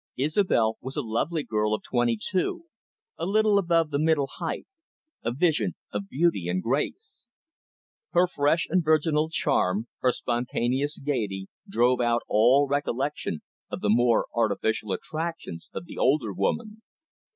Isobel was a lovely girl of twenty two, a little above the middle height, a vision of beauty and grace. Her fresh and virginal charm, her spontaneous gaiety, drove out all recollection of the more artificial attractions of the older woman.